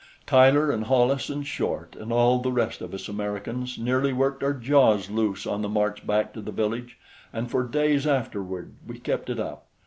Tyler and Hollis and Short and all the rest of us Americans nearly worked our jaws loose on the march back to the village, and for days afterward we kept it up.